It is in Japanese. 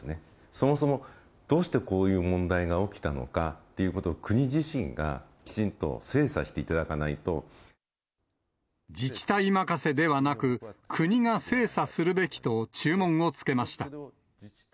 そもそもどうしてこういう問題が起きたのかということを国自身が自治体任せではなく、国が精査するべきと注文をつけました。